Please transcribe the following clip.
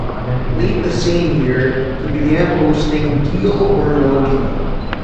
Late the same year he began hosting "Deal or No Deal".